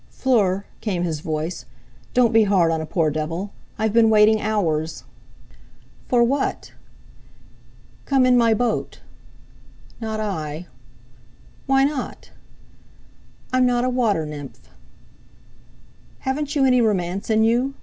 "Fleur," came his voice, "don't be hard on a poor devil! I've been waiting hours." "For what?" "Come in my boat!" "Not I." "Why not?" "I'm not a water nymph." "Haven't you any romance in you?